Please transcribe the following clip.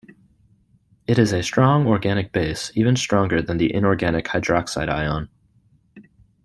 It is a strong organic base, even stronger than the inorganic hydroxide ion.